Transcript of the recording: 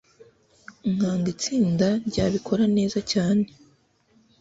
nkanga itsinda ryabikoze neza cyane